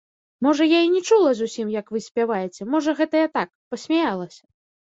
Можа, я і не чула зусім, як вы спяваеце, можа, гэта я так, пасмяялася.